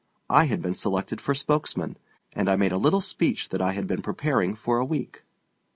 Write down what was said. I had been selected for spokesman, and I made a little speech that I had been preparing for a week.